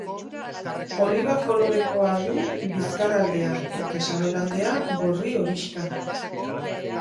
Oliba-kolorekoa du bizkarraldea eta sabelaldea gorri horixka.